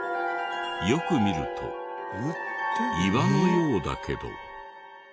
よく見ると岩のようだけど。